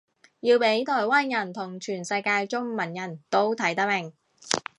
要畀台灣人同全世界中文人都睇得明